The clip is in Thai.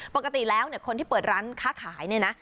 ปกติแล้วเนี่ยคนที่เปิดร้านค้าขายเนี่ยนะ